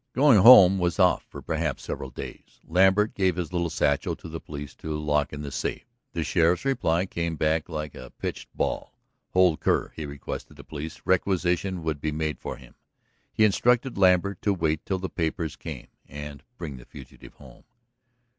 Going home was off for perhaps several days. Lambert gave his little satchel to the police to lock in the safe. The sheriff's reply came back like a pitched ball. Hold Kerr, he requested the police; requisition would be made for him. He instructed Lambert to wait till the papers came, and bring the fugitive home.